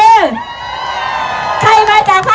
โอเคโอเคโอเคโอเค